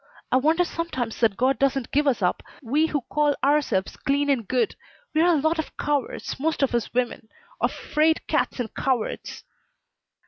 I wonder sometimes that God doesn't give us up we who call ourselves clean and good! We are a lot of cowards, most of us women, of 'fraid cats and cowards!"